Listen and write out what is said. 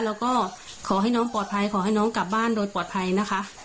แล้วก็ขอให้น้องปลอดภัยขอให้น้องกลับบ้านโดยปลอดภัยนะคะ